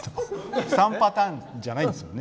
３パターンじゃないですよね。